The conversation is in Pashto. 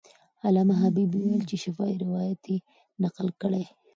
علامه حبیبي وویل چې شفاهي روایت یې نقل کړی.